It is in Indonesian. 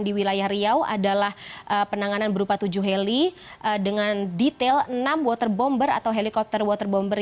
di wilayah riau adalah penanganan berupa tujuh heli dengan detail enam water bomber atau helikopter water bomber